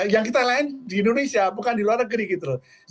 yang kita lain di indonesia bukan di luar negeri gitu loh